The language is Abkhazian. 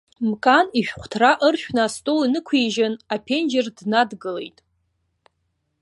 Мкан ишәҟәҭра ыршәны астол инықәижьын, аԥенџьыр днадгылеит.